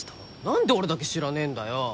何で俺だけ知らねえんだよ！